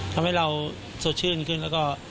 ทำให้เราสดชื่นขึ้นแล้วก็